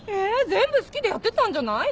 全部好きでやってたんじゃないの？